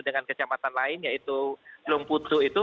dengan kecamatan lain yaitu lumputsu itu